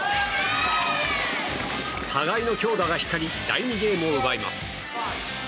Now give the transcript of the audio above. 互いの強打が光り第２ゲームを奪います。